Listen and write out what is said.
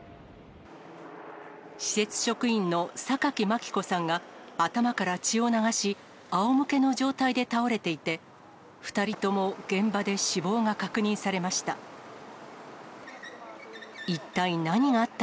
施設職員の榊真希子さんが、頭から血を流し、あおむけの状態で倒れていて、２人とも現場で死亡が確認されました。